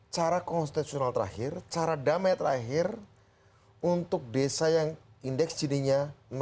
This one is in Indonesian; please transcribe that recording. cara konstitusional terakhir cara damai terakhir untuk desa yang indeks gininya